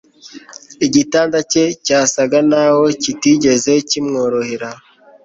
igitanda cye cyasaga naho kitigeze kimworohera